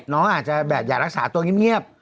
น้องอาจจะแบบอยากรักษาตัวเงียบ